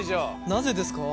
なぜですか？